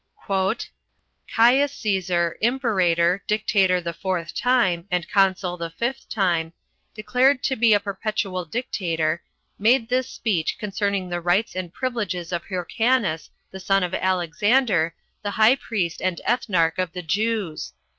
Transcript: "Caius Cæsar, imperator, dictator the fourth time, and consul the fifth time, declared to be perpetual dictator, made this speech concerning the rights and privileges of Hyrcanus, the son of Alexander, the high priest and ethnarch of the Jews.